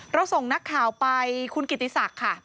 เราส่งนักข่าวไปคุณกิติศักดิ์ค่ะ